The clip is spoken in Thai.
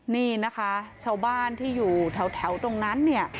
นี่นะคะชาวบ้านที่อยู่แถวตรงนั้นเนี่ย